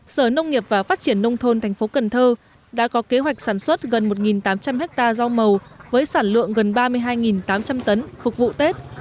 sở nông nghiệp và phát triển nông thôn thành phố cần thơ đã có kế hoạch sản xuất gần một tám trăm linh ha rau màu với sản lượng gần ba mươi hai tám trăm linh tấn phục vụ tết